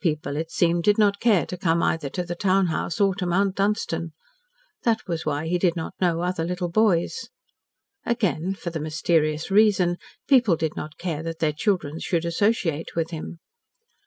People, it seemed, did not care to come either to the town house or to Mount Dunstan. That was why he did not know other little boys. Again for the mysterious reason people did not care that their children should associate with him.